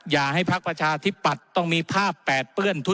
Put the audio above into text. อย่าให้พักประชาธิปัตย์ต้องมีภาพแปดเปื้อน